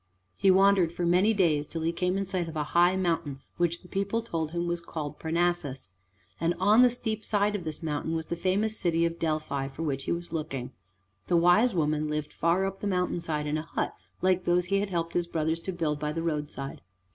He wandered for many days till he came in sight of a high mountain which the people told him was called Parnassus, and on the steep side of this mountain was the famous city of Delphi for which he was looking. The wise woman lived far up the mountain side, in a hut like those he had helped his brothers to build by the roadside.